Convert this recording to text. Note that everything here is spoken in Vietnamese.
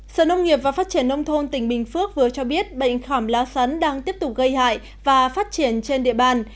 sở nông nghiệp và phát triển nông thôn tỉnh bình phước vừa cho biết bệnh khảm lá sắn đang tiếp tục gây hại và phát triển trên địa bàn